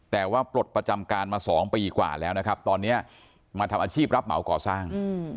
แต่ว่าปลดประจำการมา๒ปีกว่าแล้วนะครับตอนนี้มาทำอาชีพรับเหมาก่อสร้าง